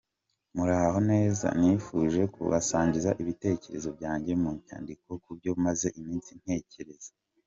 Muraho neza, nifuje kubasangiza ibitekerezo byanjye mu nyandiko kubyo maze iminsi nitegereza.